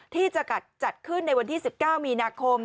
ที่จะจัดขึ้นในวันที่๑๙มีนาคม